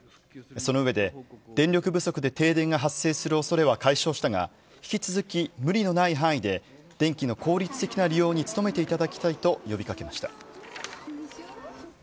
その上で、電力不足で停電が発生するおそれは解消したが、引き続き無理のない範囲で、電気の効率的な利用に努めていただきたいと呼びかけました。